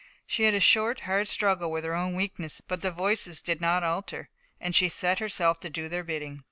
She had a short, hard struggle with her own weakness, but the voices did not alter, and she set herself to do their bidding.